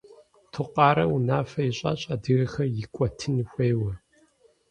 Тукъарэ унафэ ищӏащ адыгэхэр икӏуэтын хуейуэ.